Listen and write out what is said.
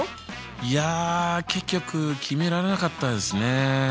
いや結局決められなかったですね。